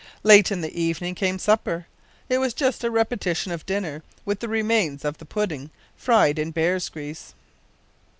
Late in the evening came supper. It was just a repetition of dinner, with the remains of the pudding fried in bear's grease.